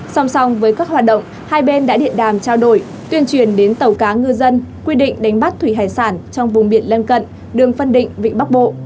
song song với các hoạt động hai bên đã điện đàm trao đổi tuyên truyền đến tàu cá ngư dân quy định đánh bắt thủy hải sản trong vùng biển lân cận đường phân định vị bắc bộ